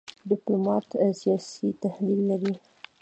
ډيپلومات سیاسي تحلیل لري .